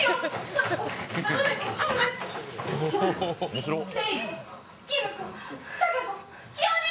「面白っ！」